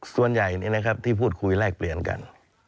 ส่วนใหญ่นี่นะครับที่พูดคุยแรกเปลี่ยนกัน